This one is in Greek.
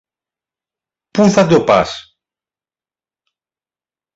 Πού θα το πας;